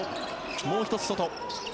もう１つ、外。